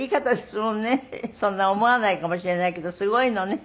そんな思わないかもしれないけどすごいのね。